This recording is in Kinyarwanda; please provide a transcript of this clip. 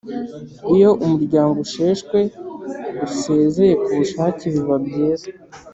iyo umuryango usheshwe usezeye ku bushake biba byiza